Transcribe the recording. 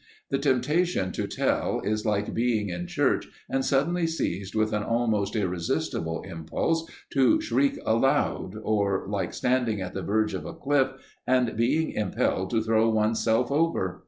The temptation to tell is like being in church and suddenly seized with an almost irresistible impulse to shriek aloud, or like standing at the verge of a cliff and being impelled to throw one's self over.